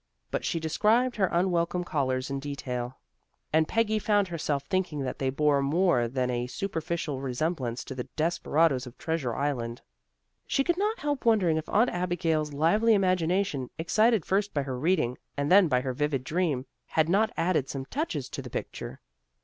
But she described her unwelcome callers in detail, and Peggy found herself thinking that they bore more than a superficial resemblance to the desperadoes of Treasure Island. She could not help wondering if Aunt Abigail's lively imagination, excited first by her reading, and then by her vivid dream, had not added some touches to the picture.